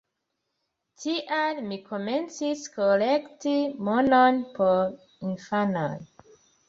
Tial mi komencis kolekti monon por infanoj.